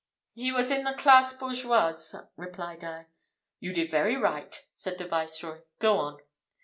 "He was in the classe bourgeoise," replied I. "You did very right," said the Viceroy; "go on."